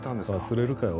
忘れるかよ